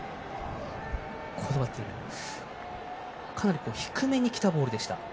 かなり低めにきたボールでした。